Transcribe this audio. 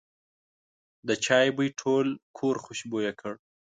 د چای بوی ټول کور خوشبویه کړ.